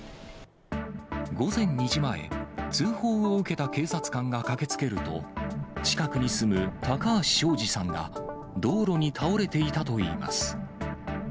午前２時前、通報を受けた警察官が駆けつけると、近くに住む、高橋章二さんが道路に倒れていたといいます。